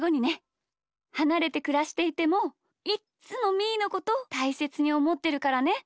はなれてくらしていてもいっつもみーのことたいせつにおもってるからね！